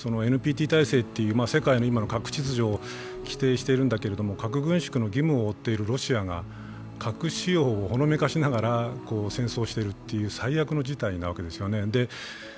ＮＰＴ体制という世界の今の各秩序を規定してるんだけど核軍縮の義務を負っているロシアが核使用をほのめかしながら戦争をしているという最悪な事態なわけですよね。